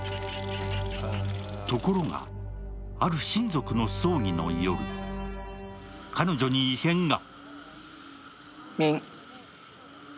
ところが、ある親族の葬儀の夜、彼女に異変が。